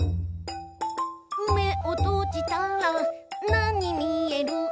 「めをとじたらなにみえる？」